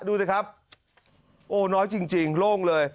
ดูสิครับโอ้น้อยจริงโล่งเลย